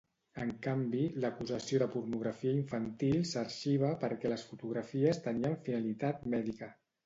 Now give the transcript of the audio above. En canvi, l'acusació de pornografia infantil s'arxiva perquè les fotografies tenien finalitat mèdica.